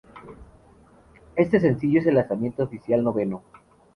Este sencillo es el lanzamiento oficial noveno.